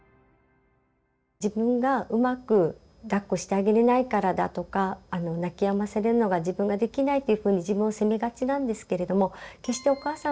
自分がうまくだっこしてあげれないからだとか泣きやませるのが自分ができないというふうに自分を責めがちなんですけれども決してお母さんのせいではないんです。